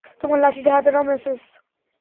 তোমার লাঠিটা হাতে নাও, মোসেস।